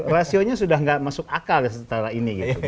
rasionya sudah tidak masuk akal setara ini gitu